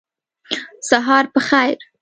سهار په خیر !